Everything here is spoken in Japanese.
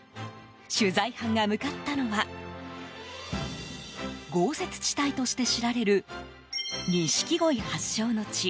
取材班が向かったのは豪雪地帯として知られる錦鯉発祥の地